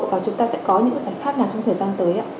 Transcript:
và chúng ta sẽ có những giải pháp nào trong thời gian tới ạ